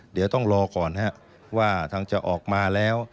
เดี๋ยวต้องรอก่อนว่าทางจะออกมาแล้ว